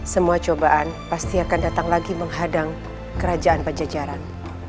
semua cobaan pasti akan datang lagi menghadang kerajaan pajajaran